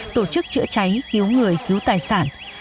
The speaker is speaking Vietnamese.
tổ chức chữa cháy cứu người cứu tài sản